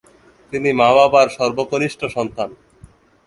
তিনি বাবা-মার সর্বকনিষ্ঠ সন্তান।